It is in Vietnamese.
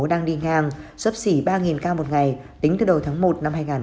đang đi ngang sấp xỉ ba ca một ngày tính từ đầu tháng một năm hai nghìn hai mươi